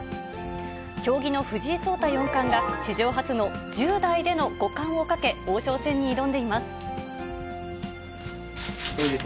将棋の藤井聡太四冠が、史上初の１０代での五冠をかけ、王将戦に挑んでいます。